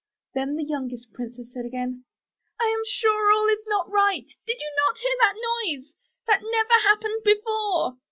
Then the youngest princess said again, *T am sure all is not right — did not you hear that noise? That never happened before.'